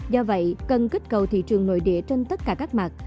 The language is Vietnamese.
do vậy cần kích cầu thị trường nội địa trên tất cả các doanh nghiệp